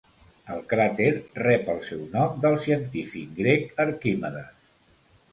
El cràter rep el seu nom del científic grec Arquimedes.